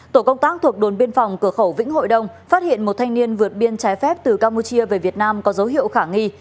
tổ công tác thuộc đồn biên phòng cửa khẩu vĩnh hội đông phát hiện một thanh niên vượt biên trái phép từ campuchia về việt nam có dấu hiệu khả nghi